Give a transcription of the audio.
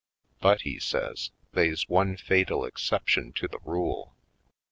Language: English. But," he says, "they's one fatal exception to the rule.